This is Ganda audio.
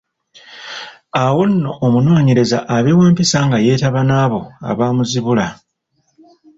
Awo nno omunoonyereza abe wa mpisa nga yeetaba n’abo abamuzibula.